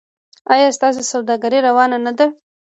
ایا ستاسو سوداګري روانه نه ده؟